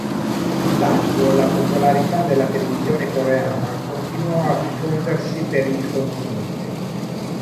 Intanto la popolarità della televisione coreana continuò a diffondersi per il continente.